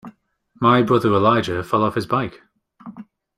My brother Elijah fell off his bike.